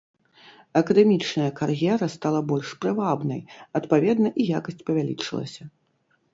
Акадэмічная кар'ера стала больш прывабнай, адпаведна, і якасць павялічылася.